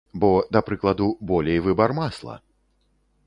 Бо, да прыкладу, болей выбар масла!